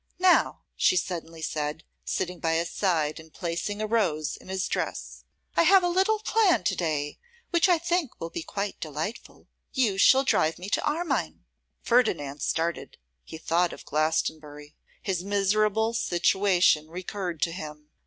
'Now,' she suddenly said, sitting by his side, and placing a rose in his dress, 'I have a little plan today, which I think will be quite delightful. You shall drive me to Armine.' Ferdinand started. He thought of Glastonbury. His miserable situation recurred to him.